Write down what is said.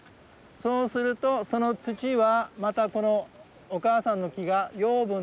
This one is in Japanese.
そうするとその土はまたこのお母さんの木が養分として使うわけだ。